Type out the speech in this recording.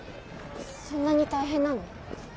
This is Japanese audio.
そんなに大変なの？